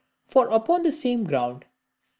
For upon the same ground, viz.